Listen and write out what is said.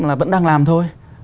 là vẫn đang làm thôi